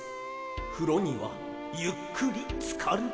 「ふろにはゆっくりつかるべし」